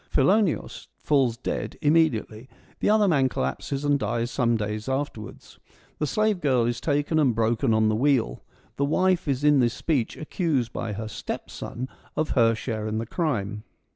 Philoneos falls dead im mediately ; the other man collapses, and dies some days afterwards. The slave girl is taken and broken on the wheel ; the wife is in this speech accused by her stepson of her share in the crime.